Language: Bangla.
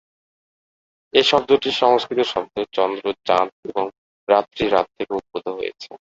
এই শব্দটি সংস্কৃত শব্দ "চন্দ্র" "চাঁদ" এবং "রাত্রি" "রাত" থেকে উদ্ভূত হয়েছে।